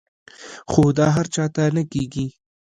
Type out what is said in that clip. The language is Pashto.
خو دا هر چاته نۀ کيږي -